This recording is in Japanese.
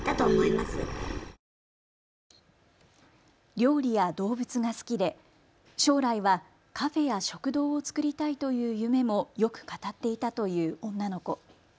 料理や動物が好きで将来はカフェや食堂を作りたいという夢もよく語っていたという女の子。